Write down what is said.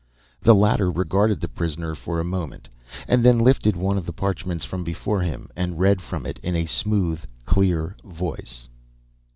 The latter regarded the prisoner for a moment, and then lifted one of the parchments from before him and read from it in a smooth, clear voice.